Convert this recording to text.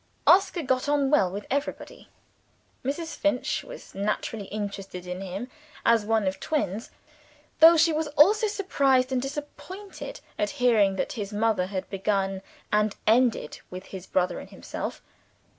Oscar got on well with everybody. Mrs. Finch was naturally interested in him as one of twins though she was also surprised and disappointed at hearing that his mother had begun and ended with his brother and himself.